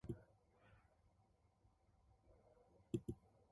It includes all types of employees, from executives to entry-level workers.